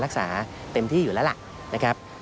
พบหน้าลูกแบบเป็นร่างไร้วิญญาณ